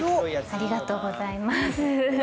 ありがとうございます。